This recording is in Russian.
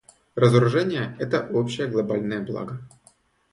Разоружение — это общее глобальное благо.